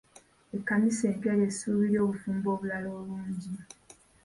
Ekkanisa empya ly'essuubi ly'obufumbo obulala obungi.